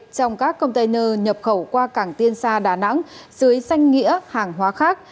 trong các container nhập khẩu qua cảng tiên xa đà nẵng dưới danh nghĩa hàng hóa khác